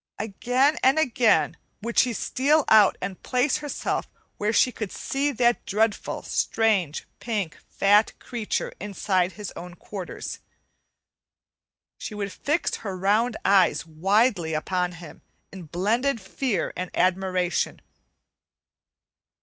Again and again would she steal out and place herself where she could see that dreadful, strange, pink, fat creature inside his own quarters. She would fix her round eyes widely upon him in blended fear and admiration.